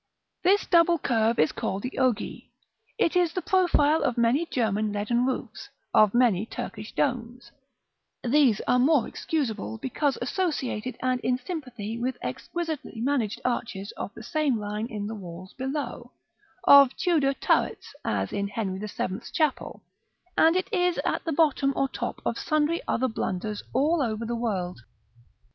This double curve is called the Ogee; it is the profile of many German leaden roofs, of many Turkish domes (there more excusable, because associated and in sympathy with exquisitely managed arches of the same line in the walls below), of Tudor turrets, as in Henry the Seventh's Chapel, and it is at the bottom or top of sundry other blunders all over the world.